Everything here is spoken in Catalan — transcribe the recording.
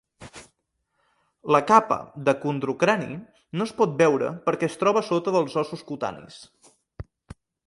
La capa de condrocrani no es pot veure perquè es troba a sota dels ossos cutanis.